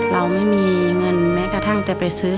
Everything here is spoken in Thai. เราไม่มีเงินแม้กระทั่งจะไปซื้อ